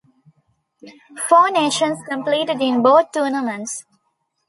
Four nations competed in both tournaments.